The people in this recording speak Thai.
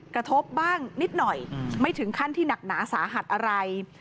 กระทบบ้างนิดหน่อยไม่ถึงขั้นที่หนักหนาสาหัสอะไร